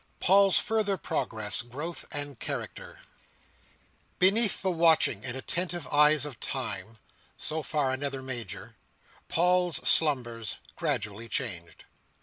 Paul's Further Progress, Growth and Character Beneath the watching and attentive eyes of Time—so far another Major—Paul's slumbers gradually changed.